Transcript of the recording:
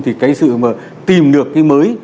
thì cái sự mà tìm được cái mới